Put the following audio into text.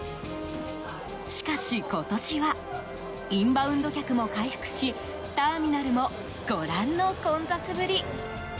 しかし今年はインバウンド客も回復しターミナルもご覧の混雑ぶり。